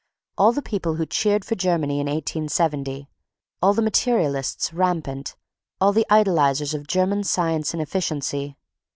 all the people who cheered for Germany in 1870.... All the materialists rampant, all the idolizers of German science and efficiency.